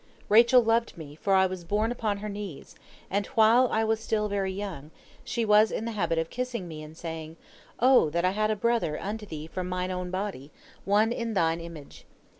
Rachel loved me, for I was born upon her knees, and while I was still very young, she was in the habit of kissing me and saying, 'O that I had a brother unto thee from mine own body, one in thine image.'